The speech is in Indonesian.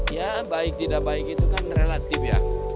ya baik tidak baik itu kan relatif ya